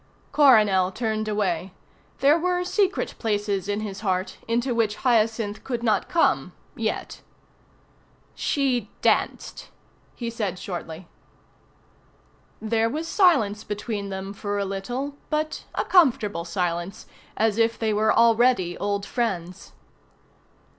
Coronel turned away. There were secret places in his heart into which Hyacinth could not come yet. "She danced," he said shortly. There was silence between them for a little, but a comfortable silence, as if they were already old friends.